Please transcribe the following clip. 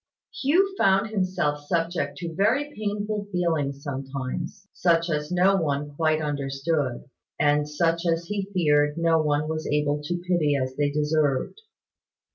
Hugh found himself subject to very painful feelings sometimes such as no one quite understood, and such as he feared no one was able to pity as they deserved.